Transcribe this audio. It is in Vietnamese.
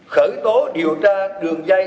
khởi tố điều tra đường dây